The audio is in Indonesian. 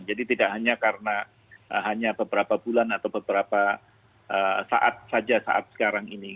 jadi tidak hanya karena hanya beberapa bulan atau beberapa saat saja saat sekarang ini